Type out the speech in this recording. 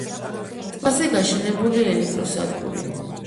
ტბაზე გაშენებულია ელექტროსადგური.